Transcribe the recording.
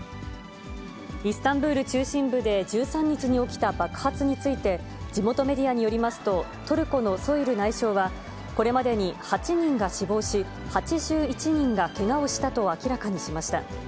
イスタンブール中心部で、１３日に起きた爆発について、地元メディアによりますと、トルコのソイル内相は、これまでに８人が死亡し、８１人がけがをしたと明らかにしました。